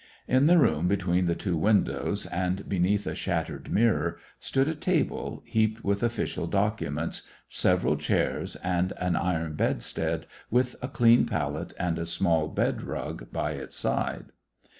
In the room, between the two windows, and be neath a shattered mirror, stood a table, heaped with official documents, several chairs, and an iron bedstead, with a clean pallet, and a small bed rug by its side.